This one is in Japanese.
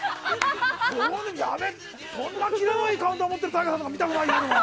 そんなキレのいいカウンター持ってるＴＡＩＧＡさん見たことないな！